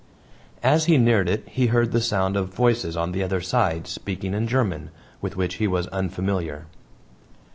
As he neared it he heard the sound of voices on the other side, speaking in German, with which he was unfamiliar.